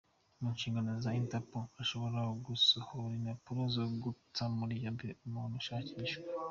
Mu nshingano za Interpol, ishobora gusohora impapuro zo guta muri yombi umuntu ushakishwa.